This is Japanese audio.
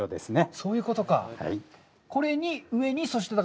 そういうことか。